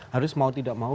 harus mau tidak mau